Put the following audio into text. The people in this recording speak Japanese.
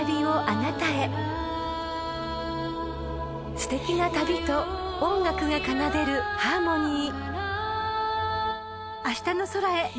［すてきな旅と音楽が奏でるハーモニー］